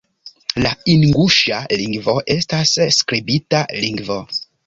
La inguŝa lingvo estas skribita lingvo.